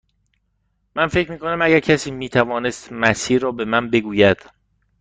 من فکر می کنم اگر کسی می توانست مسیر را به من بگوید.